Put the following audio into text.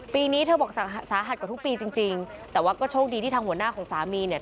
ปีนี้เธอบอกสาหัสกว่าทุกปีจริงจริงแต่ว่าก็โชคดีที่ทางหัวหน้าของสามีเนี่ย